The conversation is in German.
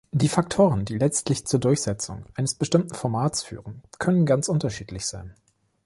Die Faktoren, die letztlich zur Durchsetzung eines bestimmten Formats führen, können ganz unterschiedlich sein.